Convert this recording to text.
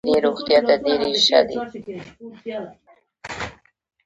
دوی له ګاونډیو هیوادونو سره سوداګري کوي.